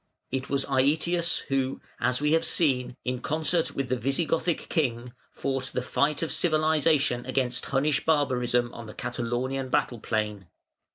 It was Aëtius who, as we have seen, in concert with the Visigothic king, fought the fight of civilisation against Hunnish barbarism on the Catalaunian battle plain.